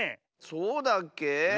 そうだっけ？